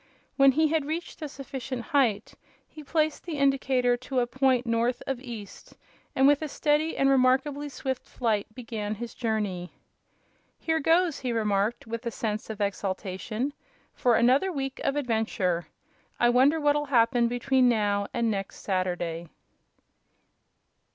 When he had reached a sufficient height he placed the indicator to a point north of east and, with a steady and remarkably swift flight, began his journey. "Here goes," he remarked, with a sense of exaltation, "for another week of adventure! I wonder what'll happen between now and next Saturday."